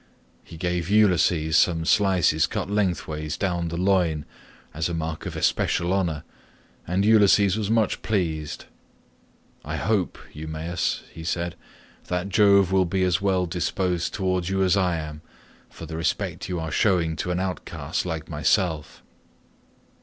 He gave Ulysses some slices cut lengthways down the loin as a mark of especial honour, and Ulysses was much pleased. "I hope, Eumaeus," said he, "that Jove will be as well disposed towards you as I am, for the respect you are showing to an outcast like myself."